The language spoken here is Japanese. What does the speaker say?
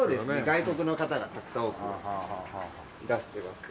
外国の方がたくさん多くいらしてまして。